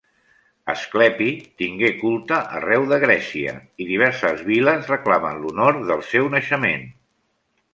Asclepi tingué culte arreu de Grècia i diverses viles reclamen l'honor del seu naixement.